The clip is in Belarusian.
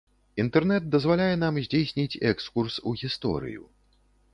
Інтэрнэт дазваляе нам здзейсніць экскурс у гісторыю.